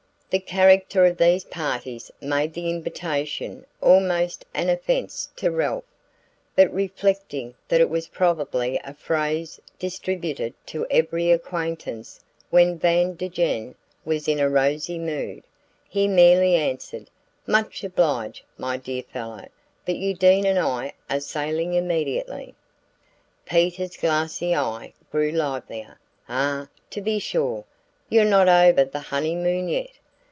The character of these parties made the invitation almost an offense to Ralph; but reflecting that it was probably a phrase distributed to every acquaintance when Van Degen was in a rosy mood, he merely answered: "Much obliged, my dear fellow; but Undine and I are sailing immediately." Peter's glassy eye grew livelier. "Ah, to be sure you're not over the honeymoon yet.